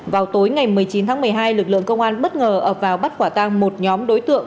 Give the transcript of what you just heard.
vào tối ngày một mươi chín tháng một mươi hai lực lượng công an bất ngờ ập vào bắt quả tang một nhóm đối tượng